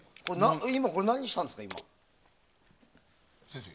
今、何をしたんですか？